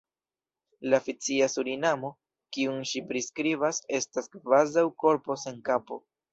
La fikcia Surinamo, kiun ŝi priskribas, estas kvazaŭ korpo sen kapo.